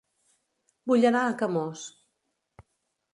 Vull anar a Camós